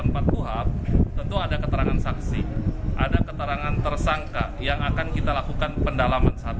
puhat tentu ada keterangan saksi ada keterangan tersangka yang akan kita lakukan pendalaman saat